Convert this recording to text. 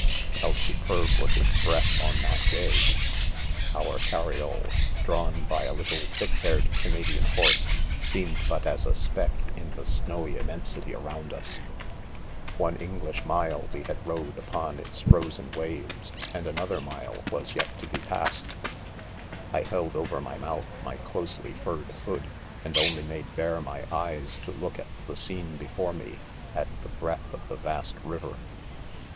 5 '— How superb was its breath on that day !' Our cariole; drawn By a little thick haired Canadian horse/seemed but as a speck in the snowy immensity around us v 4 One English mile we had rode upon its fro zen waves, and another mile was yet to be pasto 4 1 held over my mouth my closely furred hood, and only made bare my eyes to look at the scene before me, — at the breath of the vast river.